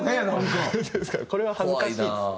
これは恥ずかしいですね。